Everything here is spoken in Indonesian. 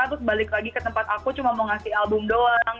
terus balik lagi ke tempat aku cuma mau ngasih album doang